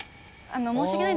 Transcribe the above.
申し訳ない。